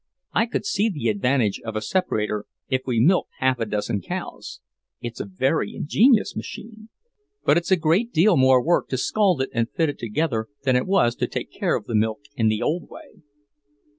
I could see the advantage of a separator if we milked half a dozen cows. It's a very ingenious machine. But it's a great deal more work to scald it and fit it together than it was to take care of the milk in the old way."